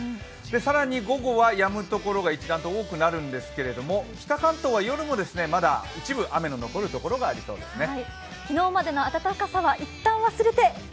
更に午後はやむところが一段と多くなるんですけれども北関東は夜もまだ一部雨の残るところもありそうですね。